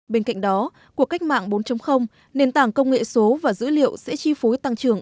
bên cạnh đó cuộc cách mạng bốn nền tảng công nghệ số và dữ liệu sẽ chi phối tăng trưởng